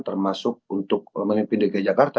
termasuk untuk memimpin dki jakarta